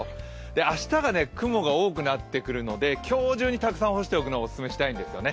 明日が雲が多くなってくるので今日中にたくさん干しておくのがオススメです。